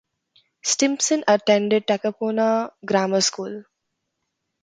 Stimpson attended Takapuna Grammar School.